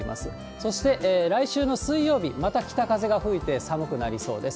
そして来週の水曜日、また北風が吹いて、寒くなりそうです。